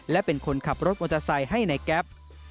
และเป็นคนขับรถมอเตอร์ไซค์ให้ในแก๊ป